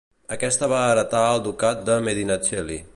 Aquesta va heretar el ducat de Medinaceli.